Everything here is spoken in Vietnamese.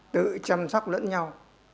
tự chăm sóc lẫn nhau